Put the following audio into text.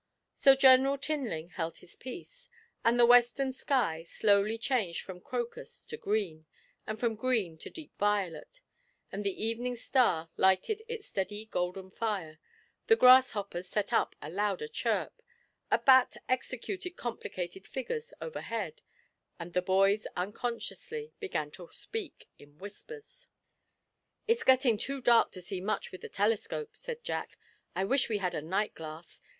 So General Tinling held his peace, and the western sky slowly changed from crocus to green, and from green to deep violet, and the evening star lighted its steady golden fire, the grasshoppers set up a louder chirp, a bat executed complicated figures overhead, and the boys unconsciously began to speak in whispers. 'It's getting too dark to see much with this telescope,' said Jack, 'I wish we had a night glass.